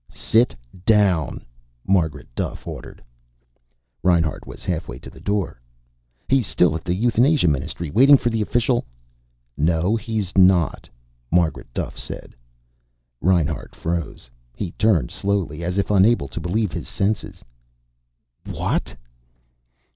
"Sit down!" Margaret Duffe ordered. Reinhart was half way to the door. "He's still at the Euthanasia Ministry, waiting for the official " "No, he's not," Margaret Duffe said. Reinhart froze. He turned slowly, as if unable to believe his senses. "_What?